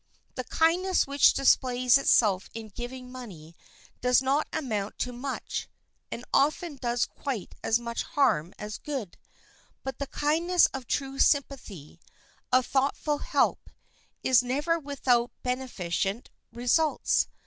The kindness which displays itself in giving money does not amount to much, and often does quite as much harm as good; but the kindness of true sympathy, of thoughtful help, is never without beneficent results.